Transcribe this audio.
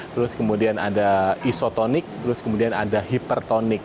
terus kemudian ada isotonik terus kemudian ada hipertonik